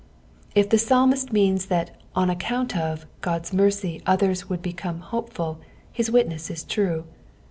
'^ If tho psalmiBt mcaoB tliut on aeeoiait of Gud's mercy others vould become liopeful, his witnesa is true.